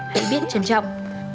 hãy biết trân trọng